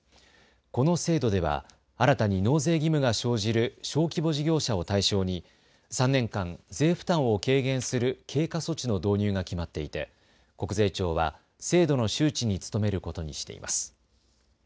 この制度では新たに納税義務が生じる小規模事業者を対象に３年間、税負担を軽減する経過措置の導入が決まっていて国税庁は制度の周知に努めることにしています。